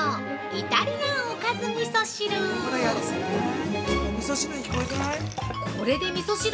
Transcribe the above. イタリアンおかずみそ汁。